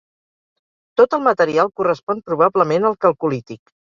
Tot el material correspon probablement al calcolític.